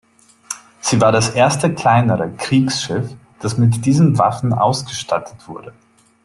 Sie war das erste kleinere Kriegsschiff, das mit diesen Waffen ausgestattet wurde.